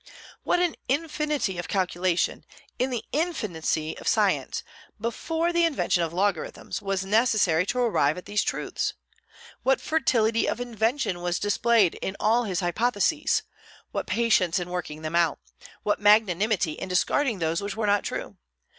What an infinity of calculation, in the infancy of science, before the invention of logarithms, was necessary to arrive at these truths! What fertility of invention was displayed in all his hypotheses; what patience in working them out; what magnanimity in discarding those which were not true!